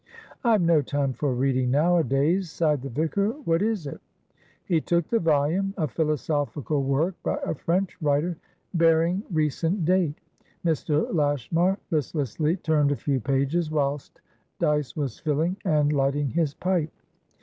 "I've no time for reading nowadays," sighed the vicar. "What is it?" He took the volume, a philosophical work by a French writer, bearing recent date. Mr. Lashmar listlessly turned a few pages, whilst Dyce was filling and lighting his pipe.